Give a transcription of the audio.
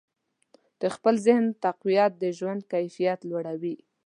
د خپل ذهن تقویت د ژوند کیفیت لوړوي.